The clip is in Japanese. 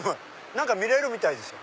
何か見れるみたいですよ。